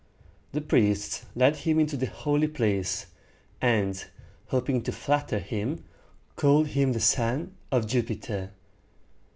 The priests led him into the holy place, and, hoping to flatter him, called him the son of Jupiter.